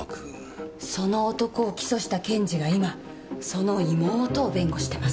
その男を起訴した検事が今その妹を弁護してます。